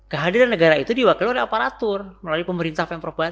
kehadiran negara itu diwakili oleh aparatur melalui pemerintah pemprov